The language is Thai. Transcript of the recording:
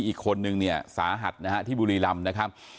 อีกคนนึงเนี่ยสาหัสนะฮะที่บุรีรำนะครับ